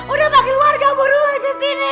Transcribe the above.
udah pake warga baru aja sini